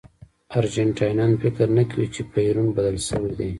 ارجنټاینان فکر نه کوي چې پېرون بدل شوی دی.